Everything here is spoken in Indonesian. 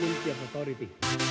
untuk coworking bitcoin sales